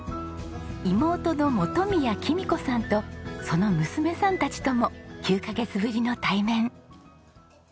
妹の本宮貴美子さんとその娘さんたちとも９カ月ぶりの対面。